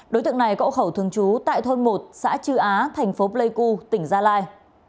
đối tượng này có hậu khẩu thường trú tại thôn một xã chư á thành phố pleiku tỉnh gia lai